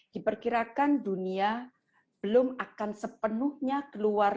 diperkirakan dunia belum akan sepenuhnya keluar